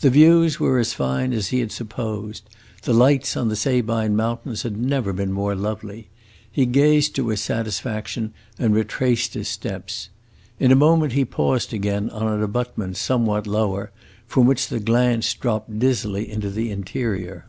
The views were as fine as he had supposed; the lights on the Sabine Mountains had never been more lovely. He gazed to his satisfaction and retraced his steps. In a moment he paused again on an abutment somewhat lower, from which the glance dropped dizzily into the interior.